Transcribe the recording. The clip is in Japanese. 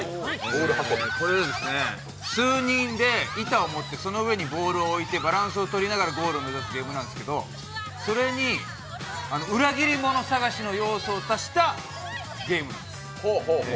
これは数人で板を持って、その上にボールを置いてバランスをとりながらゴールを目指すゲームなんですけどそれに裏切り者を探しの要素を足したゲームです。